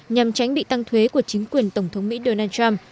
nhằm tránh bị tăng thuế của chính quyền tổng thống mỹ donald trump